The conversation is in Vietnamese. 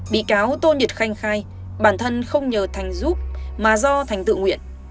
bị cáo tôn nhật khanh khai bản thân không nhờ thành giúp mà do thành tự nguyện